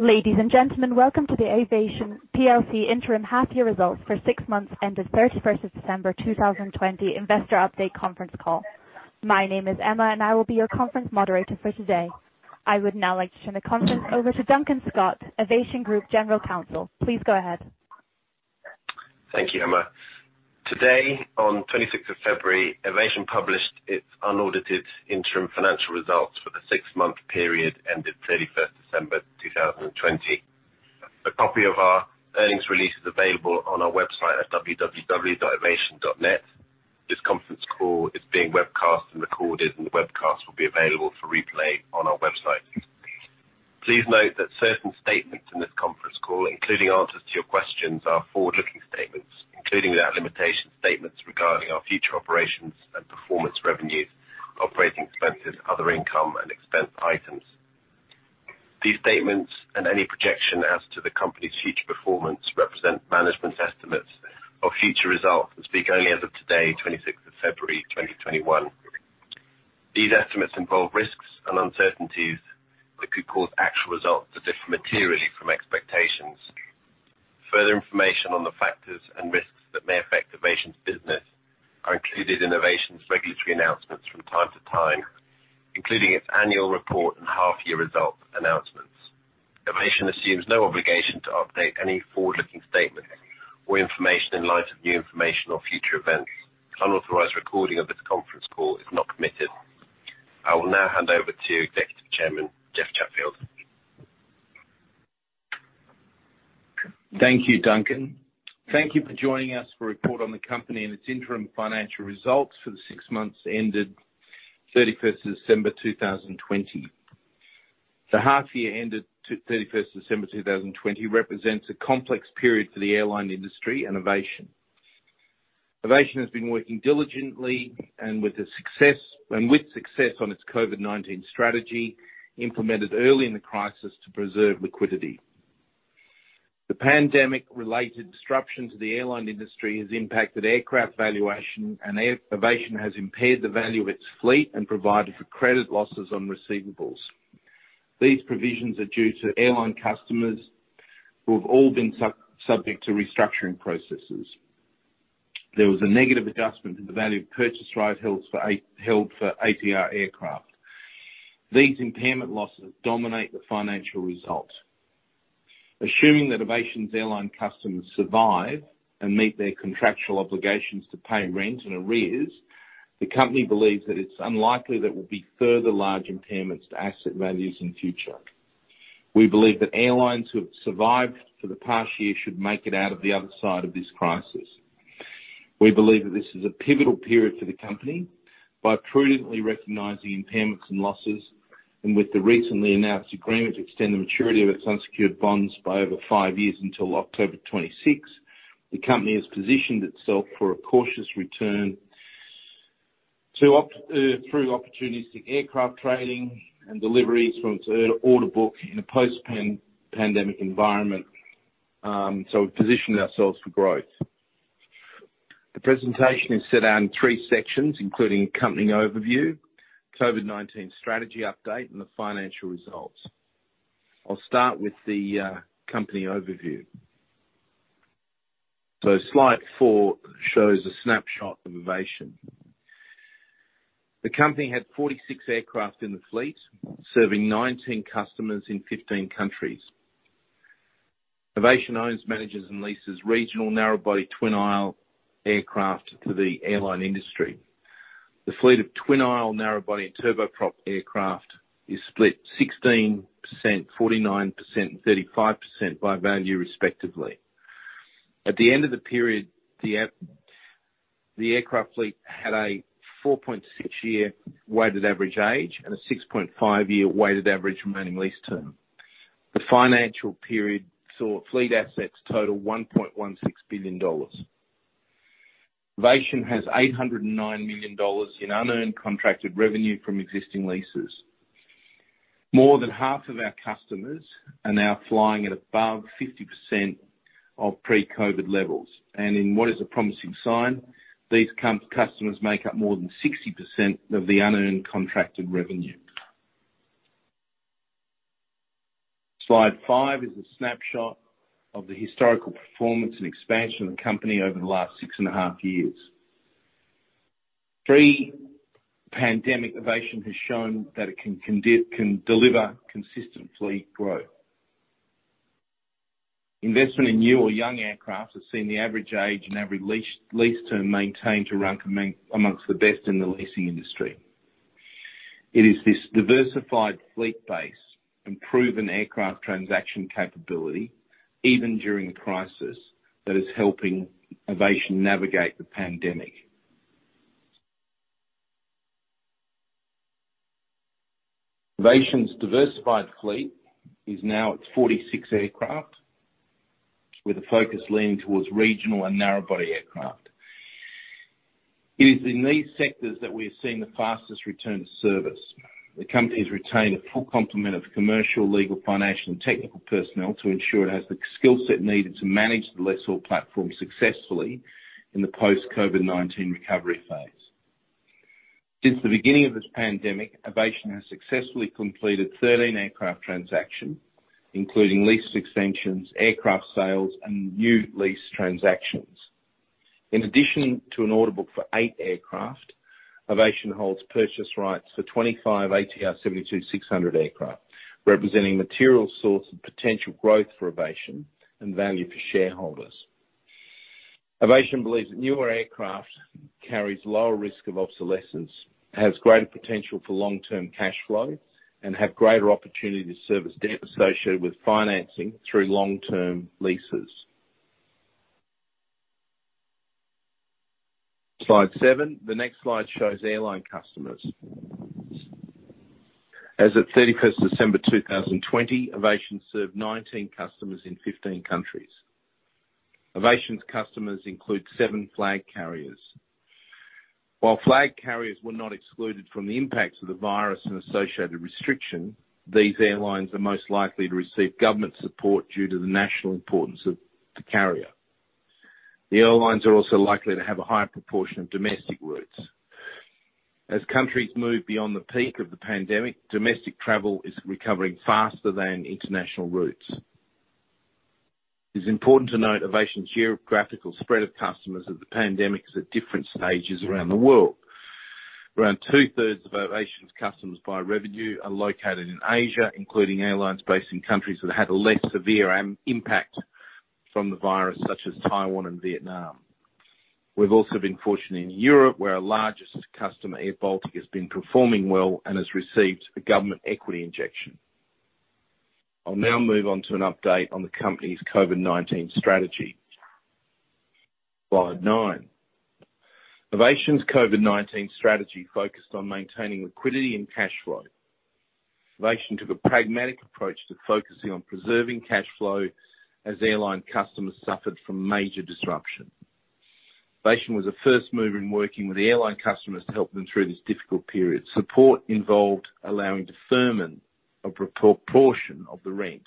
Ladies and gentlemen, welcome to the Avation PLC Interim Half-Year Results for Six Months Ending 31st of December 2020 Investor Update Conference Call. My name is Emma, I will be your conference moderator for today. I would now like to turn the conference over to Duncan Scott, Avation Group General Counsel. Please go ahead. Thank you, Emma. Today, on 26th of February, Avation published its unaudited interim financial results for the six-month period ending 31st December 2020. A copy of our earnings release is available on our website at www.avation.net. This conference call is being webcast and recorded, and the webcast will be available for replay on our website. Please note that certain statements in this conference call, including answers to your questions, are forward-looking statements, including without limitation, statements regarding our future operations and performance revenues, operating expenses, other income, and expense items. These statements and any projection as to the company's future performance represent management's estimates of future results and speak only as of today, 26th of February 2021. These estimates involve risks and uncertainties that could cause actual results to differ materially from expectations. Further information on the factors and risks that may affect Avation's business are included in Avation's regulatory announcements from time to time, including its annual report and half-year results announcements. Avation assumes no obligation to update any forward-looking statement or information in light of new information or future events. Unauthorized recording of this conference call is not permitted. I will now hand over to Executive Chairman, Jeff Chatfield. Thank you, Duncan. Thank you for joining us for a report on the company and its interim financial results for the six months ended 31st of December 2020. The half-year ended 31st December 2020 represents a complex period for the airline industry and Avation. Avation has been working diligently and with success on its COVID-19 strategy, implemented early in the crisis to preserve liquidity. The pandemic-related disruption to the airline industry has impacted aircraft valuation, and Avation has impaired the value of its fleet and provided for credit losses on receivables. These provisions are due to airline customers who have all been subject to restructuring processes. There was a negative adjustment to the value of purchase rights held for ATR aircraft. These impairment losses dominate the financial results. Assuming that Avation's airline customers survive and meet their contractual obligations to pay rent and arrears, the company believes that it's unlikely there will be further large impairments to asset values in future. We believe that airlines who have survived for the past year should make it out of the other side of this crisis. We believe that this is a pivotal period for the company by prudently recognizing impairments and losses, and with the recently announced agreement to extend the maturity of its unsecured bonds by over five years until October 26. The company has positioned itself for a cautious return through opportunistic aircraft trading and deliveries from its order book in a post-pandemic environment. We've positioned ourselves for growth. The presentation is set out in three sections, including company overview, COVID-19 strategy update, and the financial results. I'll start with the company overview. Slide four shows a snapshot of Avation. The company had 46 aircraft in the fleet, serving 19 customers in 15 countries. Avation owns, manages, and leases regional narrow-body twin-aisle aircraft to the airline industry. The fleet of twin-aisle narrow-body and turboprop aircraft is split 16%, 49%, and 35% by value respectively. At the end of the period, the aircraft fleet had a 4.6 year weighted average age and a 6.5 year weighted average remaining lease term. The financial period saw fleet assets total $1.16 billion. Avation has $809 million in unearned contracted revenue from existing leases. More than half of our customers are now flying at above 50% of pre-COVID-19 levels, and in what is a promising sign, these customers make up more than 60% of the unearned contracted revenue. Slide five is a snapshot of the historical performance and expansion of the company over the last six and a half years. Pre-pandemic, Avation has shown that it can deliver consistent fleet growth. Investment in new or young aircraft has seen the average age and average lease term maintained to rank amongst the best in the leasing industry. It is this diversified fleet base and proven aircraft transaction capability, even during a crisis, that is helping Avation navigate the pandemic. Avation's diversified fleet is now at 46 aircraft, with a focus leaning towards regional and narrow-body aircraft. It is in these sectors that we have seen the fastest return to service. The company has retained a full complement of commercial, legal, financial, and technical personnel to ensure it has the skill set needed to manage the lessor platform successfully in the post-COVID-19 recovery phase. Since the beginning of this pandemic, Avation has successfully completed 13 aircraft transactions, including lease extensions, aircraft sales, and new lease transactions. In addition to an order book for eight aircraft, Avation holds purchase rights for 25 ATR 72-600 aircraft, representing material source and potential growth for Avation and value for shareholders. Avation believes that newer aircraft carries lower risk of obsolescence, has greater potential for long-term cash flow, and have greater opportunity to service debt associated with financing through long-term leases. Slide seven. The next slide shows airline customers. As of 31st December 2020, Avation served 19 customers in 15 countries. Avation's customers include seven flag carriers. While flag carriers were not excluded from the impacts of the virus and associated restriction, these airlines are most likely to receive government support due to the national importance of the carrier. The airlines are also likely to have a higher proportion of domestic routes. As countries move beyond the peak of the pandemic, domestic travel is recovering faster than international routes. It is important to note Avation's geographical spread of customers as the pandemic is at different stages around the world. Around 2/3 of Avation's customers by revenue are located in Asia, including airlines based in countries that had a less severe impact from the virus, such as Taiwan and Vietnam. We've also been fortunate in Europe, where our largest customer, airBaltic, has been performing well and has received a government equity injection. I'll now move on to an update on the company's COVID-19 strategy. Slide nine. Avation's COVID-19 strategy focused on maintaining liquidity and cash flow. Avation took a pragmatic approach to focusing on preserving cash flow as airline customers suffered from major disruption. Avation was a first mover in working with airline customers to help them through this difficult period. Support involved allowing deferment of a proportion of the rent.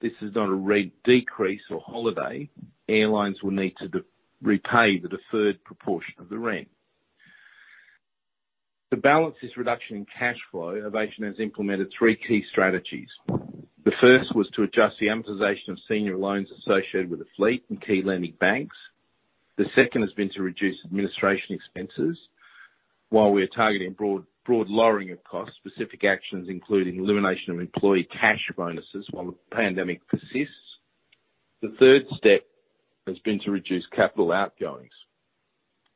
This is not a rent decrease or holiday. Airlines will need to repay the deferred proportion of the rent. To balance this reduction in cash flow, Avation has implemented three key strategies. The first was to adjust the amortization of senior loans associated with the fleet and key lending banks. The second has been to reduce administration expenses. While we are targeting broad lowering of costs, specific actions including elimination of employee cash bonuses while the pandemic persists. The third step has been to reduce capital outgoings.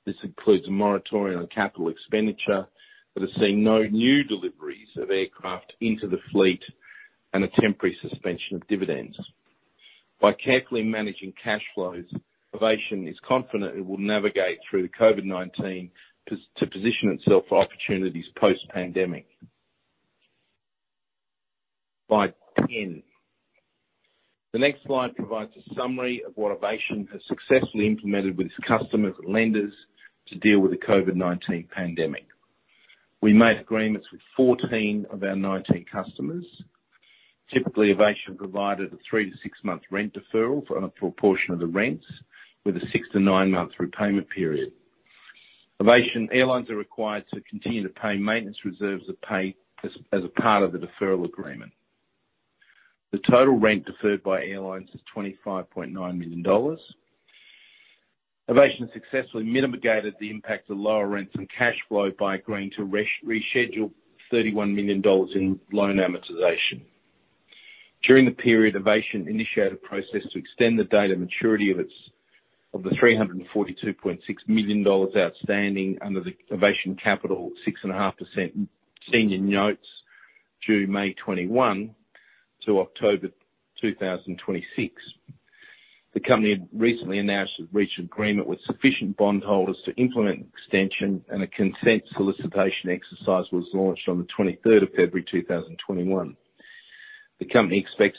This includes a moratorium on capital expenditure that has seen no new deliveries of aircraft into the fleet and a temporary suspension of dividends. By carefully managing cash flows, Avation is confident it will navigate through the COVID-19 to position itself for opportunities post-pandemic. Slide 10. The next slide provides a summary of what Avation has successfully implemented with its customers and lenders to deal with the COVID-19 pandemic. We made agreements with 14 of our 19 customers. Typically, Avation provided a three to six month rent deferral for a proportion of the rents with a six to nine month repayment period. Avation's airlines are required to continue to pay maintenance reserves as a part of the deferral agreement. The total rent deferred by airlines is $25.9 million. Avation successfully mitigated the impacts of lower rents and cash flow by agreeing to reschedule $31 million in loan amortization. During the period, Avation initiated a process to extend the date of maturity of the $342.6 million outstanding under the Avation Capital 6.5% senior notes due May 2021 to October 2026. The company recently announced it reached an agreement with sufficient bondholders to implement an extension, a consent solicitation exercise was launched on the 23rd of February 2021. The company expects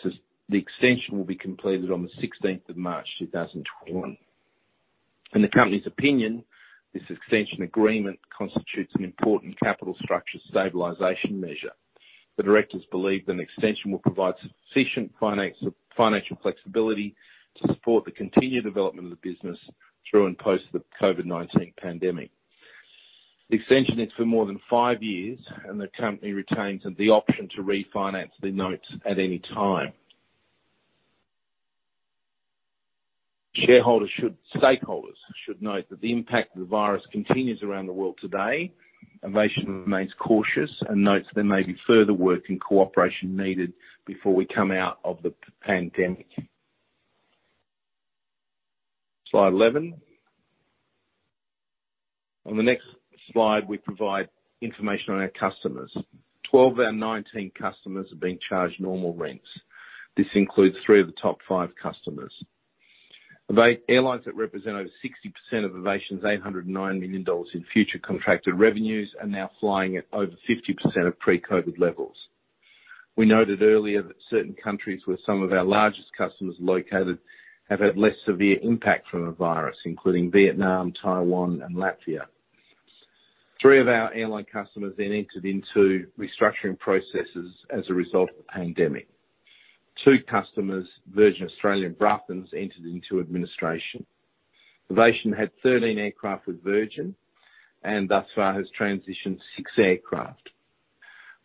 the extension will be completed on the 16th of March 2021. In the company's opinion, this extension agreement constitutes an important capital structure stabilization measure. The directors believe that an extension will provide sufficient financial flexibility to support the continued development of the business through and post the COVID-19 pandemic. The extension is for more than five years, the company retains the option to refinance the notes at any time. Stakeholders should note that the impact of the virus continues around the world today. Avation remains cautious and notes there may be further work and cooperation needed before we come out of the pandemic. Slide 11. On the next slide, we provide information on our customers. 12 out of 19 customers are being charged normal rents. This includes three of the top five customers. Airlines that represent over 60% of Avation's $809 million in future contracted revenues are now flying at over 50% of pre-COVID-19 levels. We noted earlier that certain countries where some of our largest customers are located have had less severe impact from the virus, including Vietnam, Taiwan, and Latvia. Three of our airline customers entered into restructuring processes as a result of the pandemic. Two customers, Virgin Australia and Braathens, entered into administration. Avation had 13 aircraft with Virgin, and thus far has transitioned six aircraft.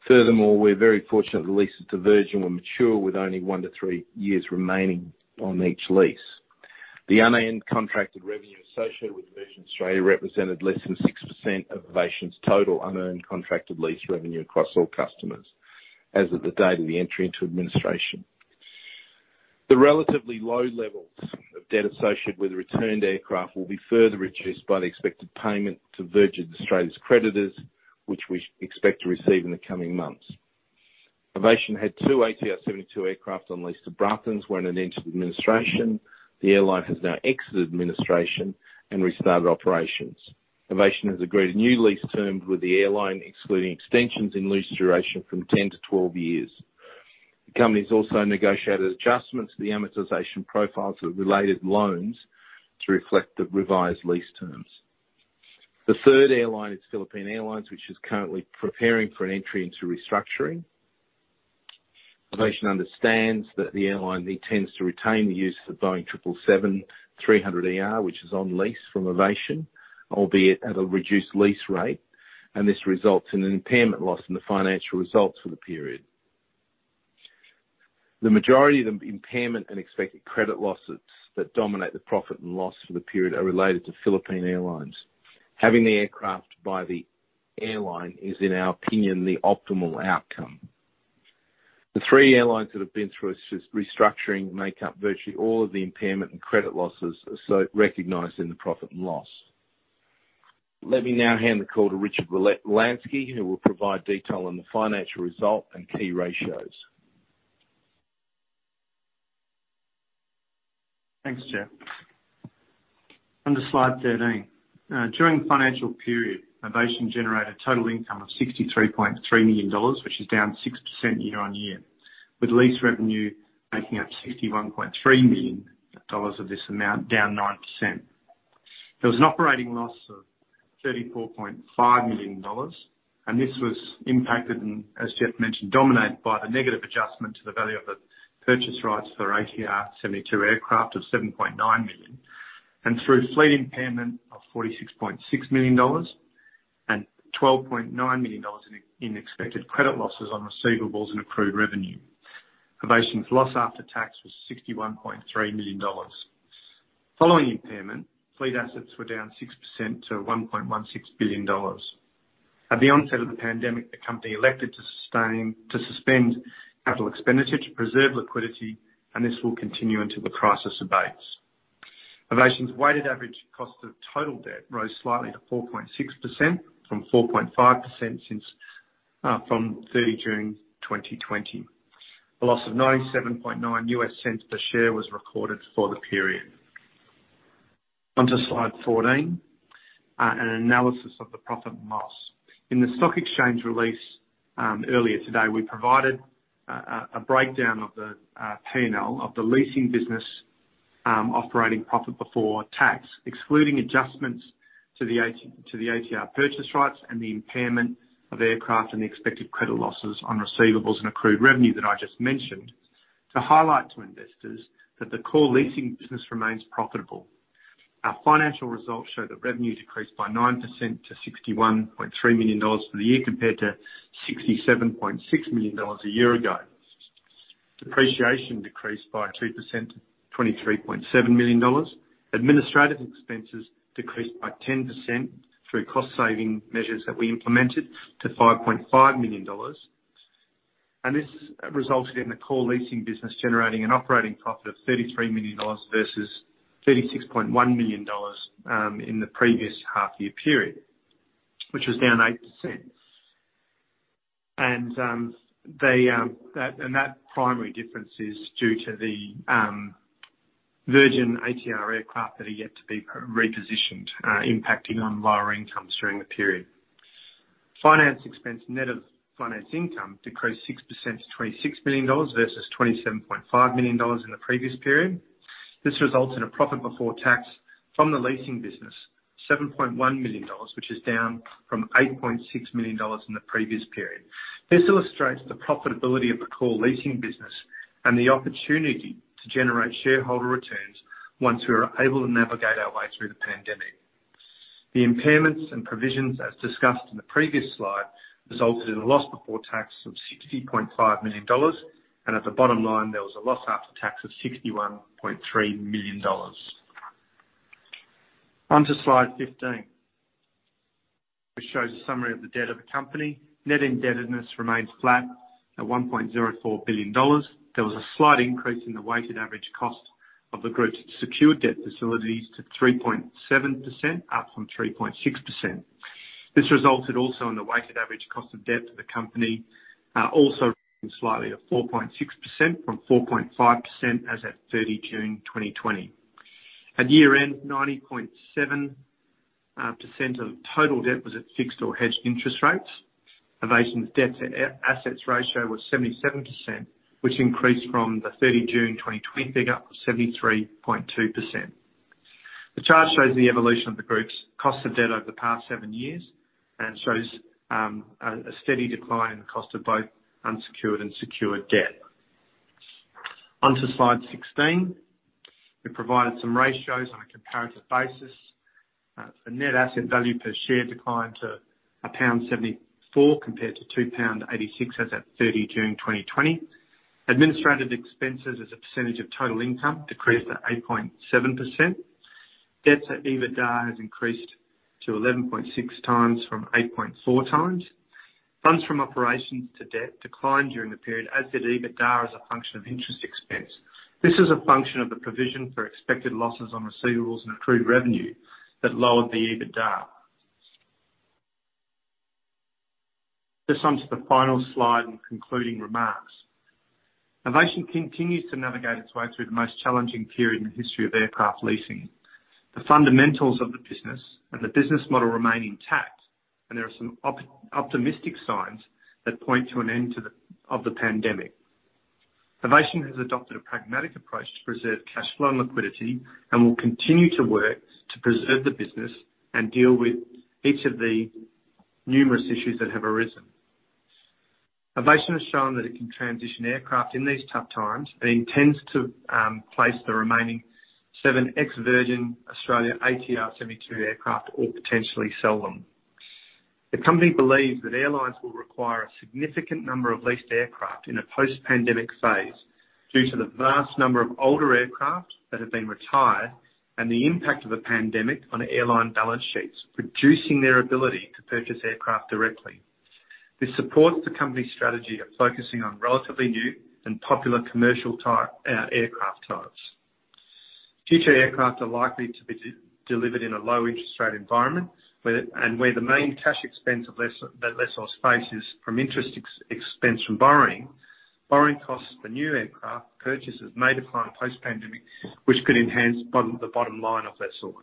Furthermore, we're very fortunate the leases to Virgin were mature, with only one to three years remaining on each lease. The unearned contracted revenue associated with Virgin Australia represented less than 6% of Avation's total unearned contracted lease revenue across all customers, as of the date of the entry into administration. The relatively low levels of debt associated with the returned aircraft will be further reduced by the expected payment to Virgin Australia's creditors, which we expect to receive in the coming months. Avation had two ATR 72 aircraft on lease to Braathens when it entered administration. The airline has now exited administration and restarted operations. Avation has agreed new lease terms with the airline, excluding extensions in lease duration from 10-12 years. The company's also negotiated adjustments to the amortization profiles of related loans to reflect the revised lease terms. The third airline is Philippine Airlines, which is currently preparing for an entry into restructuring. Avation understands that the airline intends to retain the use of the Boeing 777-300ER, which is on lease from Avation, albeit at a reduced lease rate, and this results in an impairment loss in the financial results for the period. The majority of the impairment and expected credit losses that dominate the profit and loss for the period are related to Philippine Airlines. Having the aircraft by the airline is, in our opinion, the optimal outcome. The three airlines that have been through a restructuring make up virtually all of the impairment and credit losses, so recognized in the profit and loss. Let me now hand the call to Richard Wolanski, who will provide detail on the financial result and key ratios. Thanks, Jeff. On to slide 13. During the financial period, Avation generated total income of $63.3 million, which is down 6% year-on-year, with lease revenue making up $61.3 million of this amount, down 9%. There was an operating loss of $34.5 million, and this was impacted, and as Jeff mentioned, dominated by the negative adjustment to the value of the purchase rights for ATR 72 aircraft of $7.9 million, and through fleet impairment of $46.6 million and $12.9 million in expected credit losses on receivables and accrued revenue. Avation's loss after tax was $61.3 million. Following impairment, fleet assets were down 6% to $1.16 billion. At the onset of the pandemic, the company elected to suspend capital expenditure to preserve liquidity, and this will continue until the crisis abates. Avation's weighted average cost of total debt rose slightly to 4.6% from 4.5% from June 30 2020. A loss of $0.979 per share was recorded for the period. On to slide 14, an analysis of the profit and loss. In the stock exchange release earlier today, we provided a breakdown of the P&L of the leasing business operating profit before tax, excluding adjustments to the ATR purchase rights and the impairment of aircraft and the expected credit losses on receivables and accrued revenue that I just mentioned, to highlight to investors that the core leasing business remains profitable. Our financial results show that revenue decreased by 9% to $61.3 million for the year, compared to $67.6 million a year ago. Depreciation decreased by 2%, $23.7 million. Administrative expenses decreased by 10% through cost-saving measures that we implemented to $5.5 million. This resulted in the core leasing business generating an operating profit of $33 million versus $36.1 million in the previous half year period, which was down 8%. That primary difference is due to the Virgin ATR aircraft that are yet to be repositioned, impacting on lower incomes during the period. Finance expense net of finance income decreased 6% to $26 million versus $27.5 million in the previous period. This results in a profit before tax from the leasing business, $7.1 million, which is down from $8.6 million in the previous period. This illustrates the profitability of the core leasing business and the opportunity to generate shareholder returns once we are able to navigate our way through the pandemic. The impairments and provisions, as discussed in the previous slide, resulted in a loss before tax of $60.5 million, and at the bottom line, there was a loss after tax of $61.3 million. On to slide 15, which shows a summary of the debt of the company. Net indebtedness remains flat at $1.04 billion. There was a slight increase in the weighted average cost of the group's secured debt facilities to 3.7%, up from 3.6%. This resulted also in the weighted average cost of debt to the company, also rising slightly to 4.6% from 4.5% as at June 30 2020. At year-end, 90.7% of total debt was at fixed or hedged interest rates. Avation's debt-to-assets ratio was 77%, which increased from the June 30 2020 figure of 73.2%. The chart shows the evolution of the group's cost of debt over the past seven years and shows a steady decline in the cost of both unsecured and secured debt. On to slide 16. We provided some ratios on a comparative basis. The net asset value per share declined to 1.74 compared to 2.86 pound as at June 30 2020. Administrative expenses as a percentage of total income decreased to 8.7%. Debt to EBITDA has increased to 11.6x from 8.4x. Funds from operations to debt declined during the period, as did EBITDA, as a function of interest expense. This is a function of the provision for expected losses on receivables and accrued revenue that lowered the EBITDA. Just onto the final slide and concluding remarks. Avation continues to navigate its way through the most challenging period in the history of aircraft leasing. The fundamentals of the business and the business model remain intact, and there are some optimistic signs that point to an end of the pandemic. Avation has adopted a pragmatic approach to preserve cash flow and liquidity and will continue to work to preserve the business and deal with each of the numerous issues that have arisen. Avation has shown that it can transition aircraft in these tough times and intends to place the remaining seven ex-Virgin Australia ATR 72 aircraft or potentially sell them. The company believes that airlines will require a significant number of leased aircraft in a post-pandemic phase due to the vast number of older aircraft that have been retired and the impact of the pandemic on airline balance sheets, reducing their ability to purchase aircraft directly. This supports the company's strategy of focusing on relatively new and popular commercial aircraft types. Future aircraft are likely to be delivered in a low-interest rate environment and where the main cash expense the lessor faces from interest expense from borrowing. Borrowing costs for new aircraft purchases may decline post-pandemic, which could enhance the bottom line of lessors.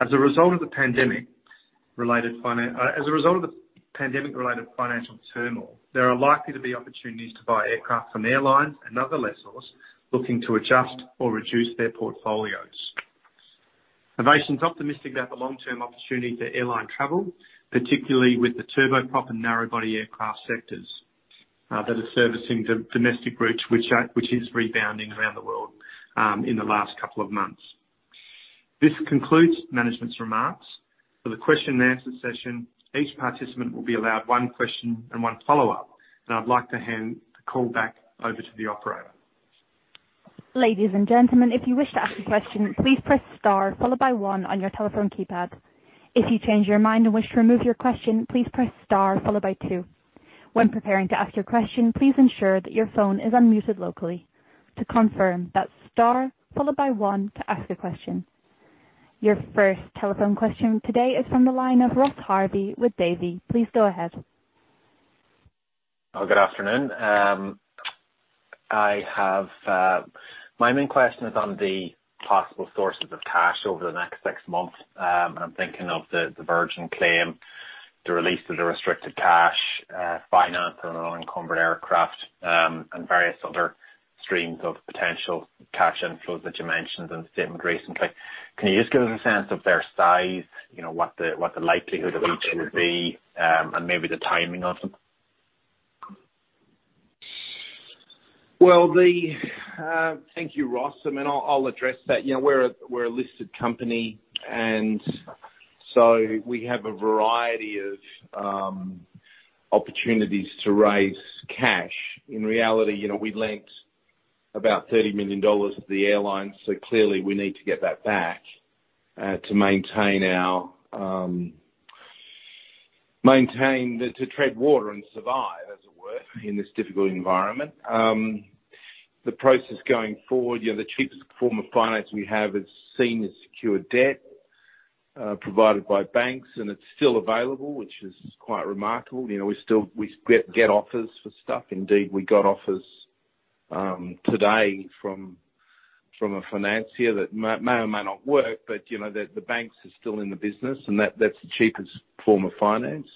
As a result of the pandemic-related financial turmoil, there are likely to be opportunities to buy aircraft from airlines and other lessors looking to adjust or reduce their portfolios. Avation's optimistic about the long-term opportunity for airline travel, particularly with the turboprop and narrow-body aircraft sectors that are servicing domestic routes, which is rebounding around the world in the last couple of months. This concludes management's remarks. For the question and answer session, each participant will be allowed one question and one follow-up, and I'd like to hand the call back over to the operator. Your first telephone question today is from the line of Ross Harvey with Davy. Please go ahead. Good afternoon. My main question is on the possible sources of cash over the next six months. I'm thinking of the Virgin claim, the release of the restricted cash, finance on unencumbered aircraft, and various other streams of potential cash inflows that you mentioned in the statement recently. Can you just give us a sense of their size, what the likelihood of each would be, and maybe the timing of them? Thank you, Ross. I'll address that. We're a listed company, we have a variety of opportunities to raise cash. In reality, we lent about $30 million to the airline, clearly we need to get that back to tread water and survive, as it were, in this difficult environment. The process going forward, the cheapest form of finance we have is senior secured debt provided by banks, it's still available, which is quite remarkable. Indeed, we got offers today from a financier that may or may not work, the banks are still in the business, that's the cheapest form of finance.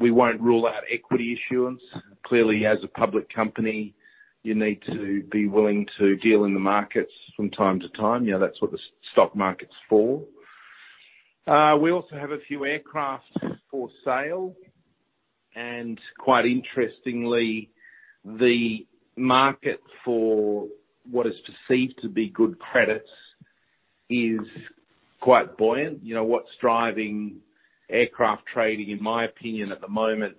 We won't rule out equity issuance. Clearly, as a public company, you need to be willing to deal in the markets from time to time. That's what the stock market's for. We also have a few aircraft for sale, and quite interestingly, the market for what is perceived to be good credits is quite buoyant. What's driving aircraft trading, in my opinion, at the moment,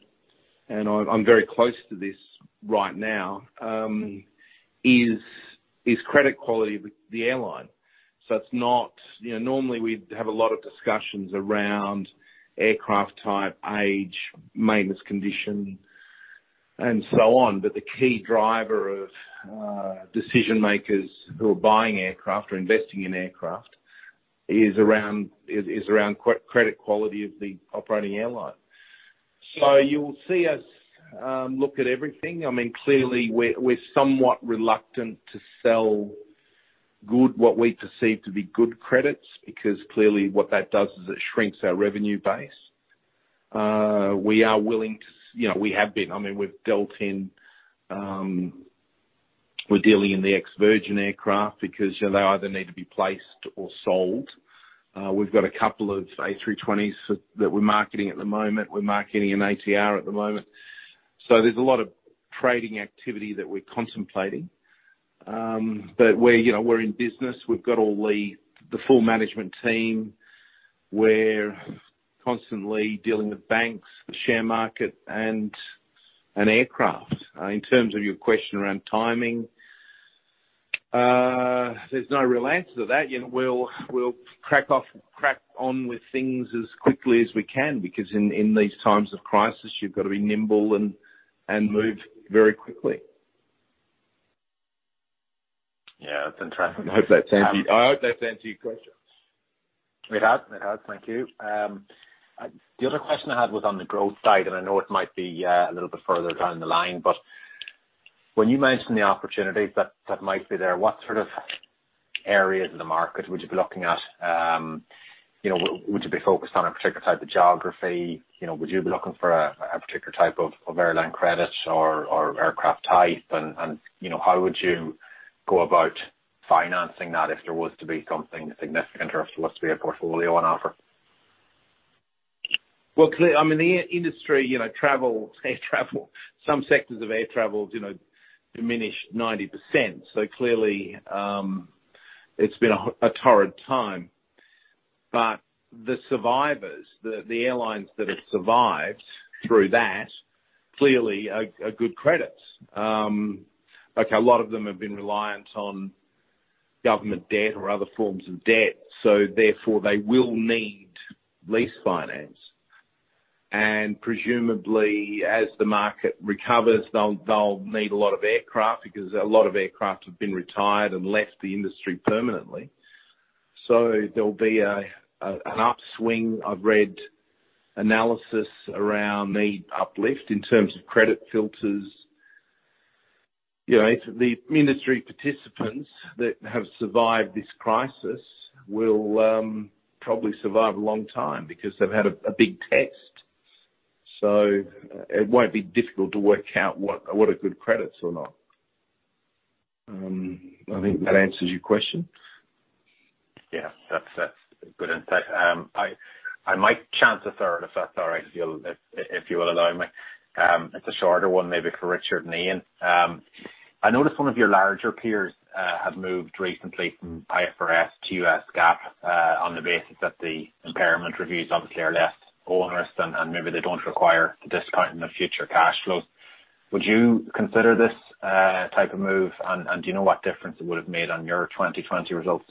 and I'm very close to this right now, is credit quality with the airline. Normally, we'd have a lot of discussions around aircraft type, age, maintenance condition, and so on. The key driver of decision-makers who are buying aircraft or investing in aircraft is around credit quality of the operating airline. You'll see us look at everything. Clearly, we're somewhat reluctant to sell what we perceive to be good credits, because clearly what that does is it shrinks our revenue base. We have been. We're dealing in the ex-Virgin aircraft because they either need to be placed or sold. We've got a couple of A320s that we're marketing at the moment. We're marketing an ATR at the moment. There's a lot of trading activity that we're contemplating. We're in business. We've got all the full management team. We're constantly dealing with banks, the share market, and aircraft. In terms of your question around timing, there's no real answer to that. We'll crack on with things as quickly as we can, because in these times of crisis, you've got to be nimble and move very quickly. Yeah. That's interesting. I hope that's answered your question. It has. Thank you. The other question I had was on the growth side, and I know it might be a little bit further down the line, but when you mention the opportunities that might be there, what sort of areas of the market would you be looking at? Would you be focused on a particular type of geography? Would you be looking for a particular type of airline credit or aircraft type? How would you go about financing that if there was to be something significant or if there was to be a portfolio on offer? Well, the industry, air travel, some sectors of air travel diminished 90%. Clearly, it's been a torrid time. The survivors, the airlines that have survived through that, clearly are good credits. Okay, a lot of them have been reliant on government debt or other forms of debt. Therefore, they will need lease finance. Presumably, as the market recovers, they'll need a lot of aircraft because a lot of aircraft have been retired and left the industry permanently. There'll be an upswing. I've read analysis around the uplift in terms of credit filters. The industry participants that have survived this crisis will probably survive a long time because they've had a big test. It won't be difficult to work out what are good credits or not. I think that answers your question. Yeah. That's good insight. I might chance a third, if that's all right, if you will allow me. It's a shorter one, maybe for Richard and Iain. I noticed one of your larger peers have moved recently from IFRS to U.S. GAAP on the basis that the impairment reviews obviously are less onerous, and maybe they don't require the discount in the future cash flows. Would you consider this type of move? Do you know what difference it would have made on your 2020 results?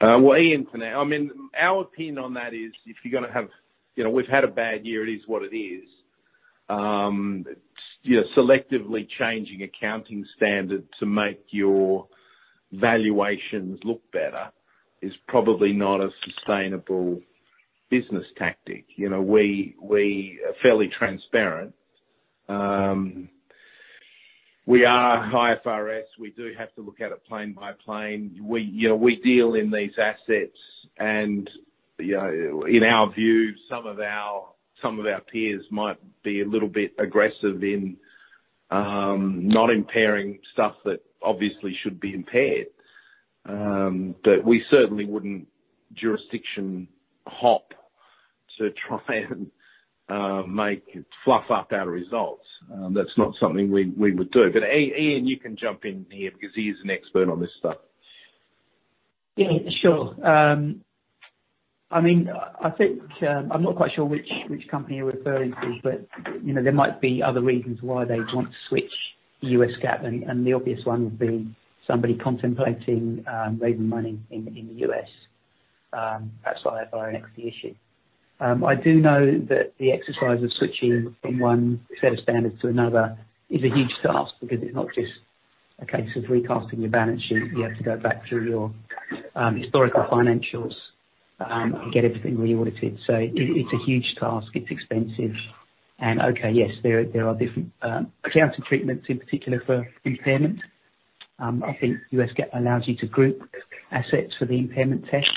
Well, Iain can. Our opinion on that is, we've had a bad year. It is what it is. Selectively changing accounting standards to make your valuations look better is probably not a sustainable business tactic. We are fairly transparent. We are IFRS. We do have to look at it plane by plane. We deal in these assets, and in our view, some of our peers might be a little bit aggressive in not impairing stuff that obviously should be impaired. We certainly wouldn't jurisdiction hop to try and fluff up our results. That's not something we would do. Iain, you can jump in here because he is an expert on this stuff. Yeah, sure. I'm not quite sure which company you're referring to, but there might be other reasons why they'd want to switch to U.S. GAAP. The obvious one would be somebody contemplating raising money in the U.S., perhaps via an equity issue. I do know that the exercise of switching from one set of standards to another is a huge task because it's not just a case of recasting your balance sheet. You have to go back through your historical financials and get everything re-audited. It's a huge task. It's expensive. Okay, yes, there are different accounting treatments, in particular for impairment. I think U.S. GAAP allows you to group assets for the impairment test.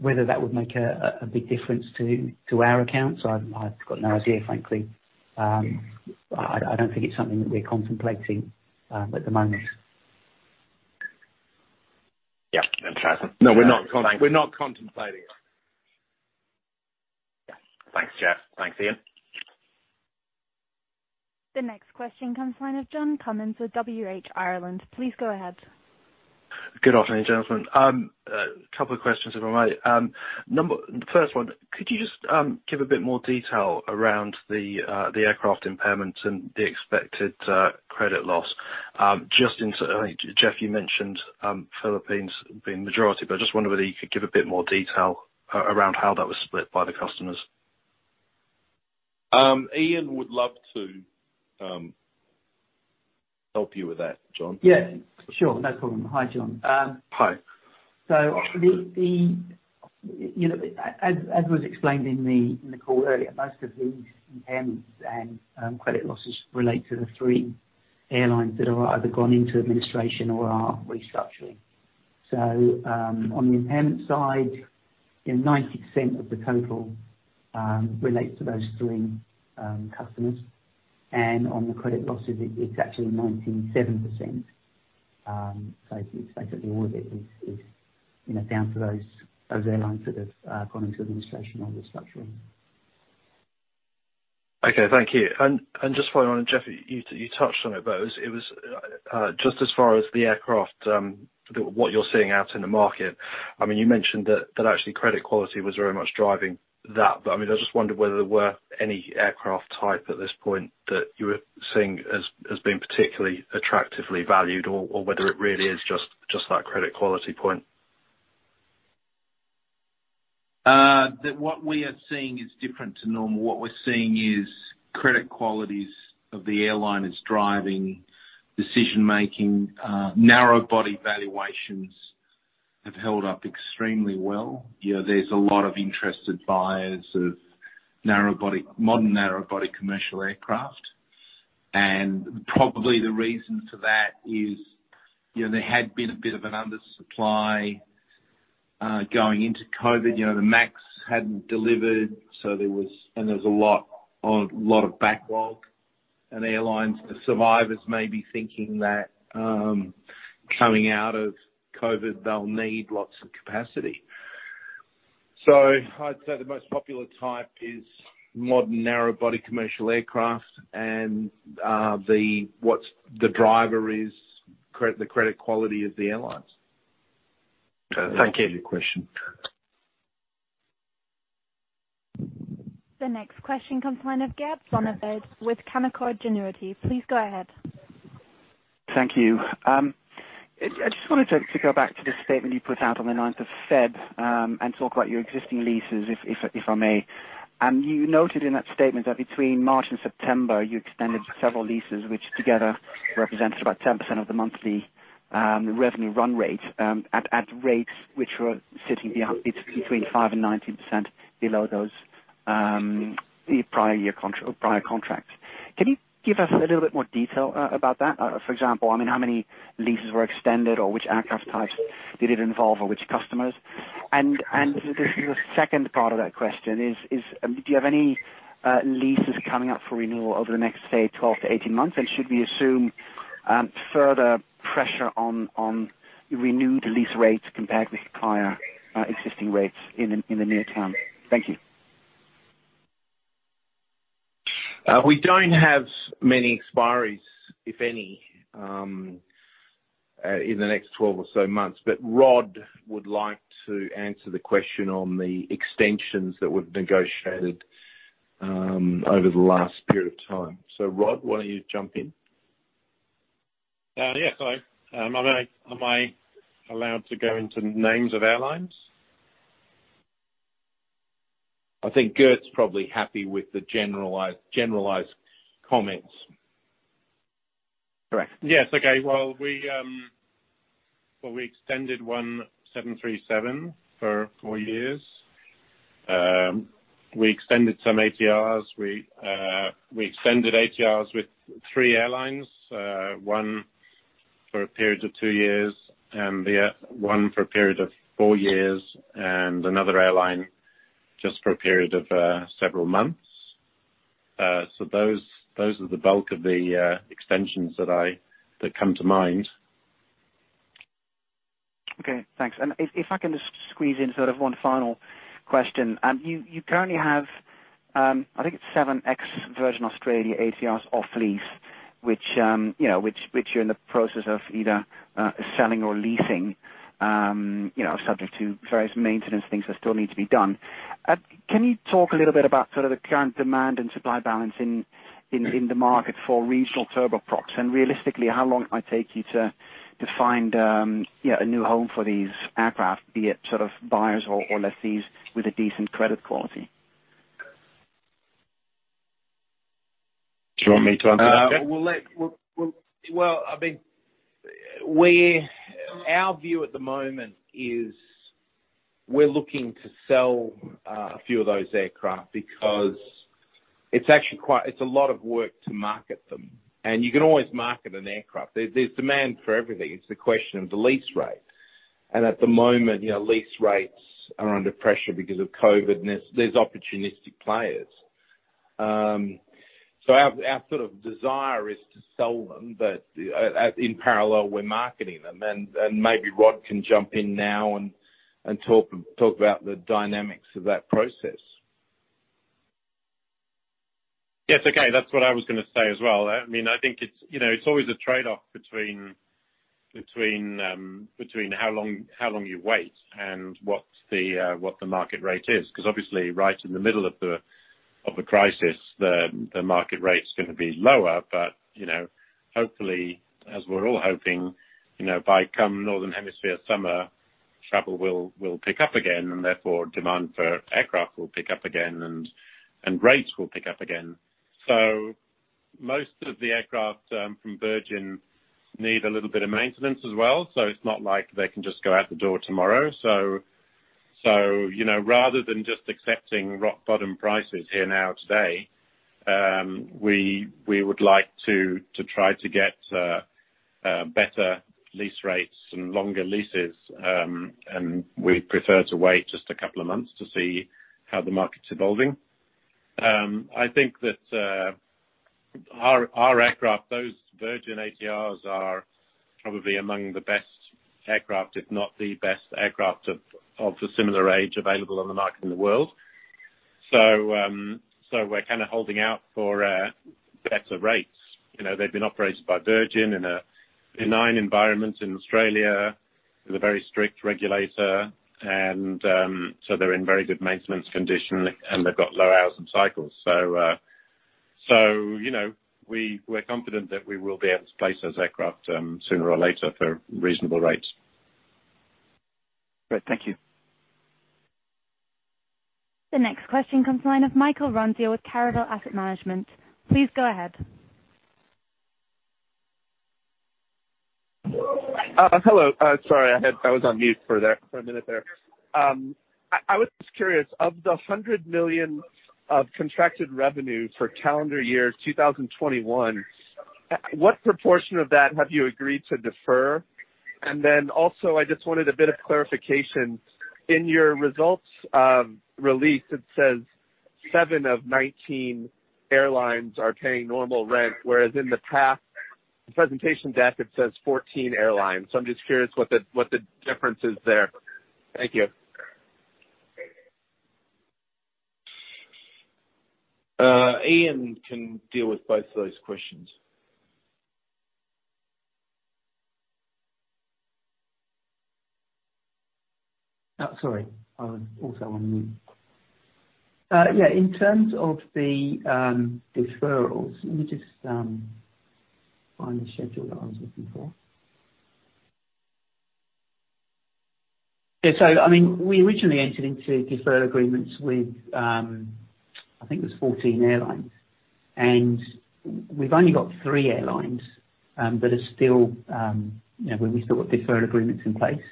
Whether that would make a big difference to our accounts, I've got no idea, frankly. I don't think it's something that we're contemplating at the moment. Yeah. Interesting. No, we're not contemplating it. Yeah. Thanks, Jeff. Thanks, Iain. The next question comes line of John Cummins with WH Ireland. Please go ahead. Good afternoon, gentlemen. A couple of questions, if I may. First one, could you just give a bit more detail around the aircraft impairment and the expected credit loss? I think, Jeff, you mentioned Philippines being majority, but I just wonder whether you could give a bit more detail around how that was split by the customers. Iain would love to help you with that, John. Yeah. Sure, no problem. Hi, John. Hi. As was explained in the call earlier, most of these impairments and credit losses relate to the three airlines that are either gone into administration or are restructuring. On the impairment side, 90% of the total relates to those three customers. On the credit losses, it's actually 97%. Basically, all of it is down to those airlines that have gone into administration or restructuring. Okay, thank you. Just following on, and Jeff, you touched on it, but it was just as far as the aircraft, what you're seeing out in the market. You mentioned that actually credit quality was very much driving that. I just wondered whether there were any aircraft type at this point that you are seeing as being particularly attractively valued or whether it really is just that credit quality point. That what we are seeing is different to normal. What we're seeing is credit qualities of the airline is driving decision-making. Narrow-body valuations have held up extremely well. There's a lot of interested buyers of modern narrow-body commercial aircraft. Probably the reason for that is, there had been a bit of an undersupply going into COVID. The Max hadn't delivered, there was a lot of backlog. Airlines, the survivors may be thinking that coming out of COVID, they'll need lots of capacity. I'd say the most popular type is modern narrow-body commercial aircraft. The driver is the credit quality of the airlines. Okay. Thank you. That's a good question. The next question comes line of Gert Zonneveld with Canaccord Genuity. Please go ahead. Thank you. I just wanted to go back to the statement you put out on the 9th of February, and talk about your existing leases, if I may. You noted in that statement that between March and September, you extended several leases, which together represented about 10% of the monthly revenue run rate, at rates which were sitting between 5% and 19% below those prior contracts. Can you give us a little bit more detail about that? For example, how many leases were extended, or which aircraft types did it involve, or which customers? The second part of that question is, do you have any leases coming up for renewal over the next, say, 12-18 months? Should we assume further pressure on renewed lease rates compared with higher existing rates in the near term? Thank you. We don't have many expiries, if any, in the next 12 or so months. Rod would like to answer the question on the extensions that we've negotiated over the last period of time. Rod, why don't you jump in? Yeah. Am I allowed to go into names of airlines? I think Gert's probably happy with the generalized comments. Correct. Yes, okay. Well, we extended one 737 for four years. We extended some ATRs. We extended ATRs with three airlines, one for a period of two years, and the other one for a period of four years, and another airline just for a period of several months. Those are the bulk of the extensions that come to mind. Okay, thanks. If I can just squeeze in sort of one final question. You currently have, I think it's seven ex-Virgin Australia ATRs off lease, which you're in the process of either selling or leasing, subject to various maintenance things that still need to be done. Can you talk a little bit about sort of the current demand and supply balance in the market for regional turboprops? Realistically, how long it might take you to find a new home for these aircraft, be it buyers or lessees with a decent credit quality? Do you want me to answer that, Jeff? Well, our view at the moment is we're looking to sell a few of those aircraft because it's a lot of work to market them. You can always market an aircraft. There's demand for everything. It's the question of the lease rate. At the moment, lease rates are under pressure because of COVID, and there's opportunistic players. Our sort of desire is to sell them, but in parallel, we're marketing them, and maybe Rod can jump in now and talk about the dynamics of that process. Yes, okay. That's what I was going to say as well. I think it's always a trade-off between how long you wait and what the market rate is. Obviously, right in the middle of the crisis, the market rate's going to be lower. Hopefully, as we're all hoping, by come northern hemisphere summer, travel will pick up again, and therefore demand for aircraft will pick up again, and rates will pick up again. Most of the aircraft from Virgin need a little bit of maintenance as well. Rather than just accepting rock bottom prices here now today, we would like to try to get better lease rates and longer leases. We'd prefer to wait just a couple of months to see how the market's evolving. I think that our aircraft, those Virgin ATRs, are probably among the best aircraft, if not the best aircraft of a similar age available on the market in the world. We're kind of holding out for better rates. They've been operated by Virgin in a benign environment in Australia with a very strict regulator. They're in very good maintenance condition, and they've got low hours and cycles. We're confident that we will be able to place those aircraft, sooner or later, for reasonable rates. Great. Thank you. The next question comes from the line of Michael Ronzio with Caravel Asset Management. Please go ahead. Hello. Sorry, I was on mute for a minute there. I was just curious, of the $100 million of contracted revenue for calendar year 2021, what proportion of that have you agreed to defer? I just wanted a bit of clarification. In your results release, it says seven of 19 airlines are paying normal rent, whereas in the presentation deck it says 14 airlines. I'm just curious what the difference is there. Thank you. Iain can deal with both of those questions. Sorry, I was also on mute. Yeah, in terms of the deferrals, let me just find the schedule that I was looking for. Yeah, we originally entered into deferred agreements with, I think it was 14 airlines. We've only got three airlines where we still have deferred agreements in place.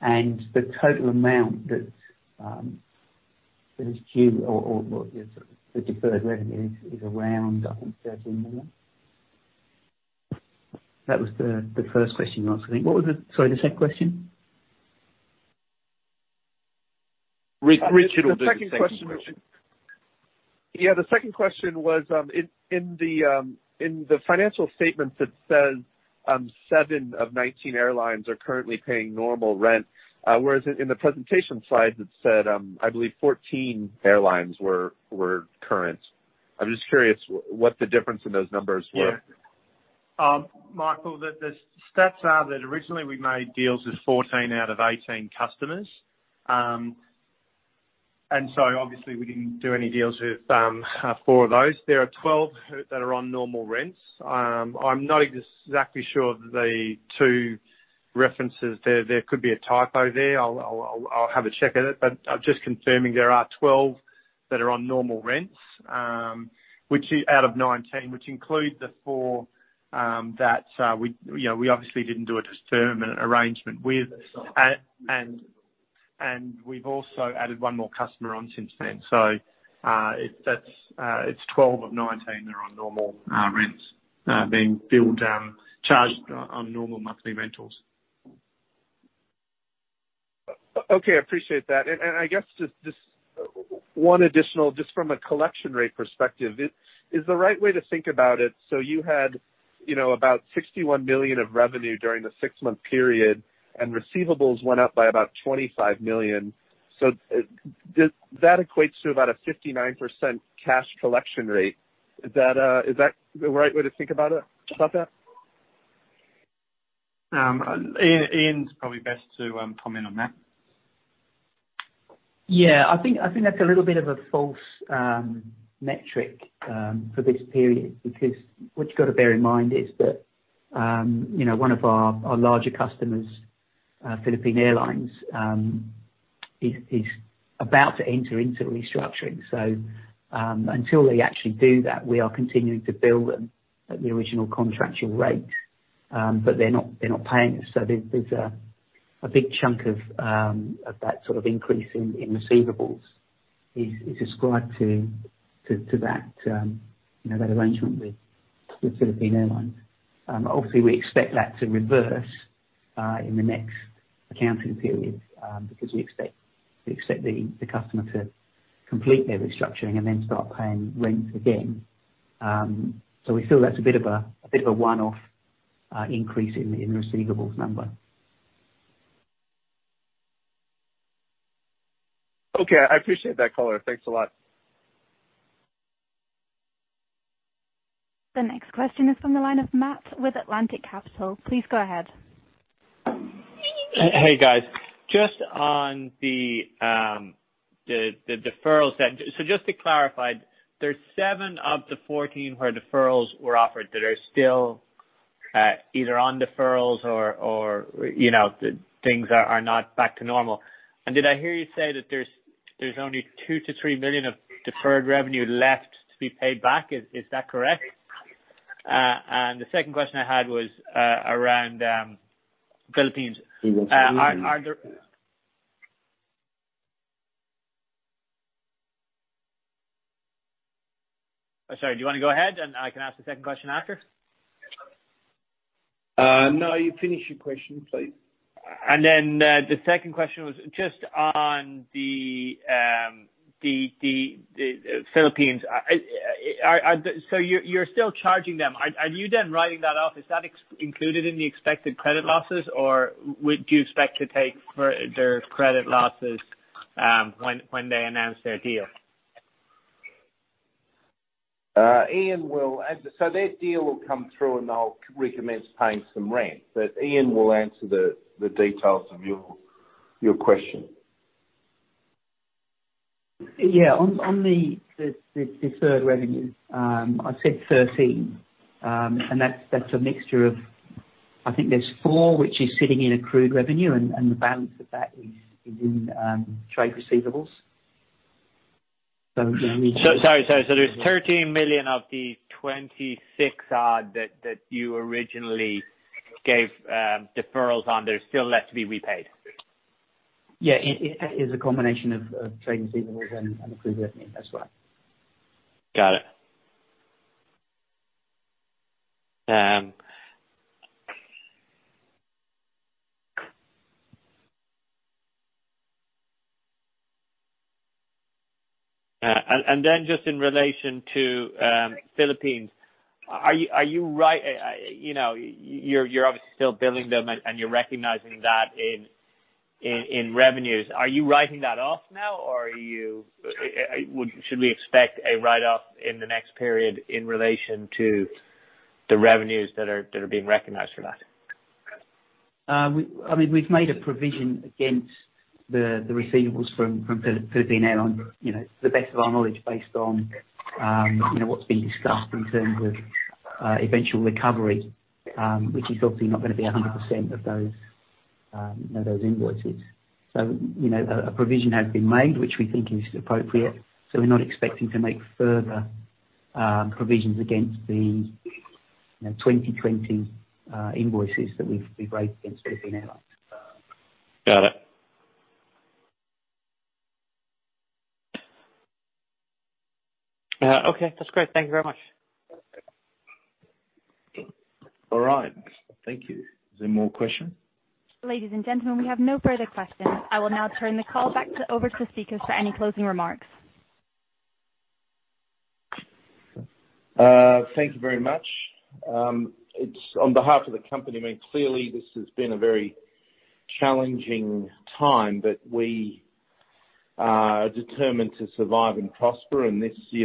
The total amount that is due, or the deferred revenue is around, I think, $13 million. That was the first question you asked, I think. What was, sorry, the second question? will do the second question. Yeah, the second question was, in the financial statements it says seven of 19 airlines are currently paying normal rent. Whereas in the presentation slide, it said, I believe 14 airlines were current. I'm just curious what the difference in those numbers were. Michael, the stats are that originally we made deals with 14 out of 18 customers. Obviously we didn't do any deals with four of those. There are 12 that are on normal rents. I'm not exactly sure of the two references there. There could be a typo there. I'll have a check at it. I'm just confirming there are 12 that are on normal rents out of 19, which include the four that we obviously didn't do a deferment arrangement with. We've also added one more customer on since then. It's 12 of 19 that are on normal rents, being charged on normal monthly rentals. Okay. I appreciate that. I guess just one additional, just from a collection rate perspective. Is the right way to think about it, so you had about $61 million of revenue during the six-month period, and receivables went up by about $25 million. That equates to about a 59% cash collection rate. Is that the right way to think about that? Iain's probably best to comment on that. Yeah. I think that's a little bit of a false metric for this period, because what you've got to bear in mind is that one of our larger customers, Philippine Airlines, is about to enter into restructuring. Until they actually do that, we are continuing to bill them at the original contractual rate. They're not paying us. There's a big chunk of that sort of increase in receivables is ascribed to that arrangement with Philippine Airlines. Obviously, we expect that to reverse in the next accounting period, because we expect the customer to complete their restructuring and then start paying rent again. We feel that's a bit of a one-off increase in the receivables number. Okay. I appreciate that color. Thanks a lot. The next question is from the line of Matt with Atlantic Capital. Please go ahead. Hey, guys. Just on the deferrals then. Just to clarify, there are seven of the 14 where deferrals were offered that are still either on deferrals or things are not back to normal. Did I hear you say that there is only $2 million-$3 million of deferred revenue left to be paid back? Is that correct? The second question I had was around Philippines. Sorry, do you want to go ahead, and I can ask the second question after? No, you finish your question, please. The second question was just on the Philippines. You're still charging them. Are you done writing that off? Is that included in the expected credit losses, or would you expect to take further credit losses when they announce their deal? Their deal will come through, and they'll recommence paying some rent. Iain will answer the details of your question. Yeah. On the deferred revenue, I said $13 million, and that's a mixture of, I think there's four which is sitting in accrued revenue, and the balance of that is in trade receivables. Sorry. There's $13 million of the $26 million odd that you originally gave deferrals on that are still left to be repaid? It is a combination of trade receivables and accrued revenue as well. Got it. Then just in relation to Philippines, you're obviously still billing them, and you're recognizing that in revenues. Are you writing that off now, or should we expect a write-off in the next period in relation to the revenues that are being recognized for that? We've made a provision against the receivables from Philippine Airlines, to the best of our knowledge, based on what's been discussed in terms of eventual recovery, which is obviously not going to be 100% of those invoices. A provision has been made, which we think is appropriate. We're not expecting to make further provisions against the 2020 invoices that we've raised against Philippine Airlines. Got it. Okay, that's great. Thank you very much. All right. Thank you. Is there more questions? Ladies and gentlemen, we have no further questions. I will now turn the call back over to speakers for any closing remarks. Thank you very much. On behalf of the company, clearly, this has been a very challenging time, but we are determined to survive and prosper.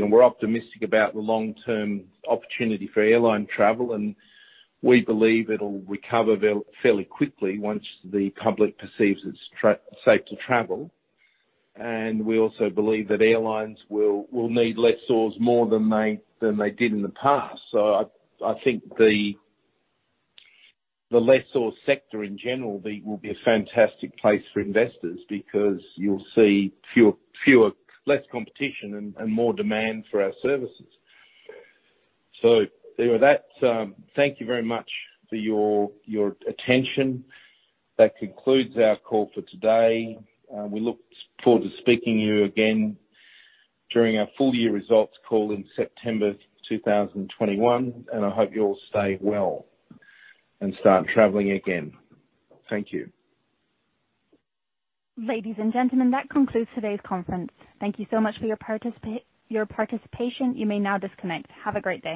We're optimistic about the long-term opportunity for airline travel, and we believe it'll recover fairly quickly once the public perceives it's safe to travel. We also believe that airlines will need lessors more than they did in the past. I think the lessor sector in general will be a fantastic place for investors because you'll see less competition and more demand for our services. Thank you very much for your attention. That concludes our call for today. We look forward to speaking to you again during our full-year results call in September 2021, and I hope you all stay well and start traveling again. Thank you. Ladies and gentlemen, that concludes today's conference. Thank you so much for your participation. You may now disconnect. Have a great day.